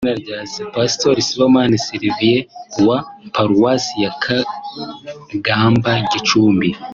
Pastori Sibomana Servilien wa Paruwase ya Kagamba (Gicumbi)